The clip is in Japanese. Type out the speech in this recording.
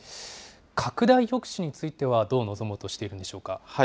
拡大抑止については、どう臨もうとしているんでしょうか。